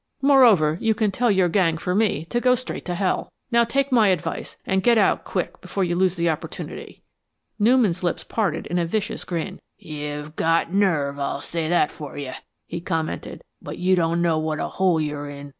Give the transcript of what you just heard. "Moreover, you can tell your gang for me to go straight to hell. Now, take my advice and get out quick before you lose the opportunity." Newman's lips parted in a vicious grin. "You've got nerve, I'll say that for you," he commented. "But you don't know what a hole you're in.